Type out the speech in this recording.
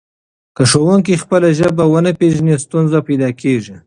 که ښوونکی خپله ژبه ونه پېژني ستونزه پیدا کېږي.